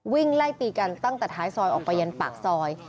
วิ่งไล่ตีกันตั้งแต่ท้ายซอยออกไปยันปากซอย